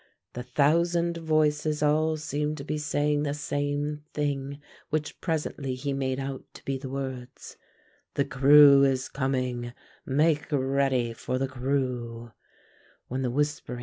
The thousand voices all seemed to be saying the same thing, which presently he made out to be the words: "The Krewe is coming; make ready for the Krewe!"